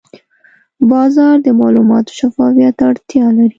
بازار د معلوماتو شفافیت ته اړتیا لري.